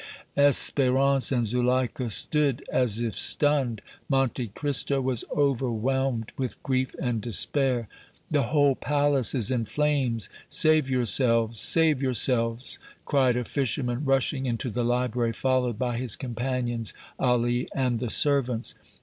Espérance and Zuleika stood as if stunned; Monte Cristo was overwhelmed with grief and despair. "The whole palace is in flames! Save yourselves, save yourselves!" cried a fisherman, rushing into the library, followed by his companions, Ali and the servants.